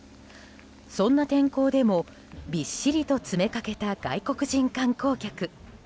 そんな天候でもびっしりと詰めかけた外国人観光客。